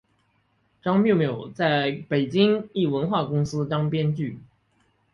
张寥寥在北京一文化公司当编剧。